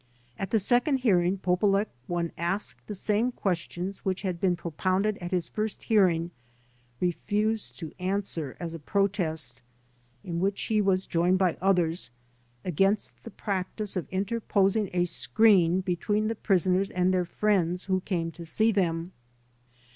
At the second hearing Polulech, when asked the same questions which had been propounded at the first hear ing, refused to answer, as a protest, in which he was joined by others, against the practice of interposing a screen between the prisoners and their friends who came to see them.